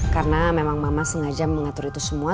karena memang mama sengaja mengatur itu semua